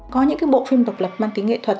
có những bộ phim độc lập bằng kính nghệ thuật